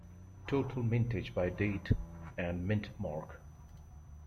Total mintage by date and mint mark.